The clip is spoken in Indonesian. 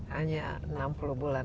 hanya enam puluh bulan